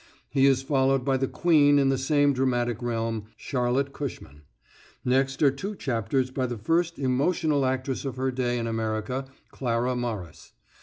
He is followed by the queen in the same dramatic realm, Charlotte Cushman. Next are two chapters by the first emotional actress of her day in America, Clara Morris.